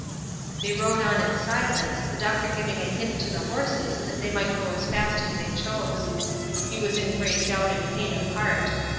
They rode on in silence, the doctor giving a hint to the horses that they might go as fast as they chose. He was in great doubt and pain of heart.